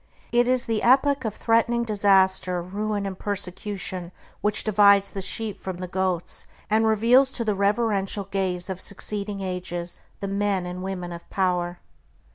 It is the epoch of threatening disaster, ruin, and persecution which divides the sheep from the goats, and reveals to the reverential gaze of succeeding ages the men and women of power.